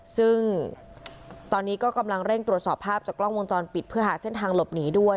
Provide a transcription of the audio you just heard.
ซึ่งตอนนี้ก็กำลังเร่งตรวจสอบภาพจากกล้องวงจรปิดเพื่อหาเส้นทางหลบหนีด้วย